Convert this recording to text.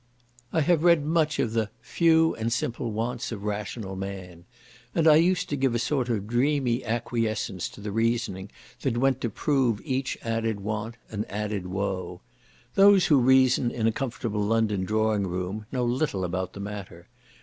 I have read much of the "few and simple wants of rational man," and I used to give a sort of dreamy acquiescence to the reasoning that went to prove each added want an added woe. Those who reason in a comfortable London drawing room know little about the matter.